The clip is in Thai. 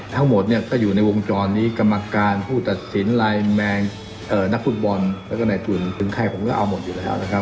ทั้งหมดเนี่ยก็อยู่ในวงจรนี้กรรมการผู้ตัดสินลายแมงนักฟุตบอลแล้วก็ในทุนถึงใครผมก็เอาหมดอยู่แล้วนะครับ